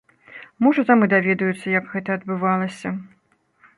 Можа там і даведаюцца, як гэта адбывалася.